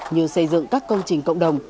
như xây dựng các công trình cộng đồng